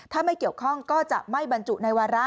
ถ้าไม่เกี่ยวข้องก็จะไม่บรรจุในวาระ